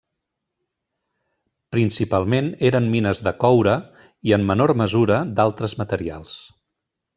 Principalment eren mines de coure i, en menor mesura, d'altres materials.